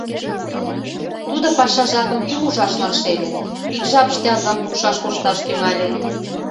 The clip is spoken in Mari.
Тудо паша жапым кум ужашлан шеле, ик жапыште азам пукшаш кошташ тӱҥале.